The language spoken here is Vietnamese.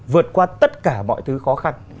vượt qua tất cả mọi thứ khó khăn